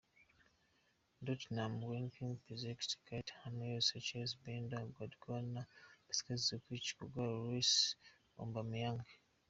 Dortmund: Weidenfeller; Piszczek, Sokratis, Hummels, Schmelzer; Bender, Gündoğan; Błaszczykowski, Kagawa, Reus; Aubameyang.